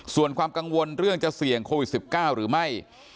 ส่วนความกังวลเรื่องจะเสี่ยงโควิด๑๙หรือไม่